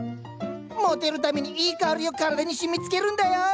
モテるためにいい香りを体にしみつけるんだよ！